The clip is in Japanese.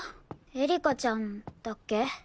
エリカちゃんだっけ？